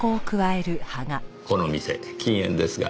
この店禁煙ですが。